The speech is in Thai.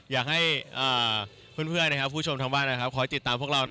อยากให้เพื่อนนะครับผู้ชมทางบ้านนะครับคอยติดตามพวกเรา